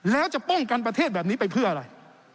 แล้วจะป้องกันประเทศแบบนี้ไปเพื่ออะไร